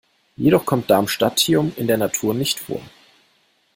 Jedoch kommt Darmstadtium in der Natur nicht vor.